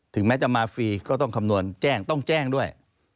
แม้จะมาฟรีก็ต้องคำนวณแจ้งต้องแจ้งด้วย